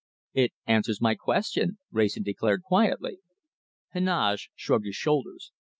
"It answers my question," Wrayson declared quietly. Heneage shrugged his shoulders.